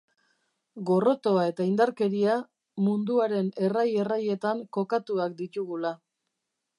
Gorrotoa eta indarkeria munduaren errai-erraietan kokatuak ditugula.